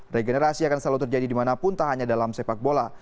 regenerasi akan selalu terjadi dimanapun tak hanya dalam sepak bola